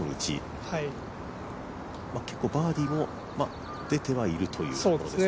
結構、バーディーも出ているという感じですね。